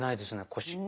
腰。